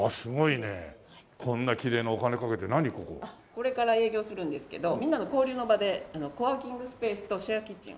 これから営業するんですけどみんなの交流の場でコワーキングスペースとシェアキッチンをしようと。